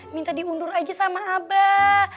minta diundur aja sama abah